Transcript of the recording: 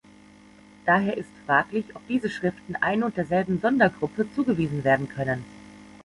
Daher ist fraglich, ob diese Schriften ein und derselben Sondergruppe zugewiesen werden können.